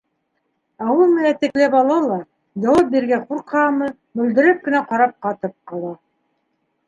Ә ул миңә текләп ала ла, яуап бирергә ҡурҡамы, мөлдөрәп кенә ҡарап ҡатып ҡала.